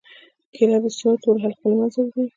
کېله د سترګو تور حلقې له منځه وړي.